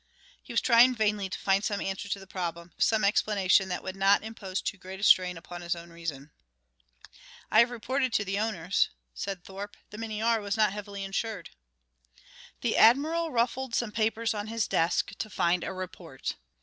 He was trying vainly to find some answer to the problem, some explanation that would not impose too great a strain upon his own reason. "I have reported to the owners," said Thorpe. "The Minnie R. was not heavily insured." The Admiral ruffled some papers on his desk to find a report.